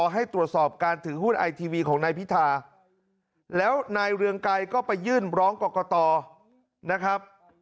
ให้ตรวจสอบการถือหุ้นไอทีวีของนายพิธาแล้วนายเรืองไกรก็ไปยื่นร้องกรกตนะครับ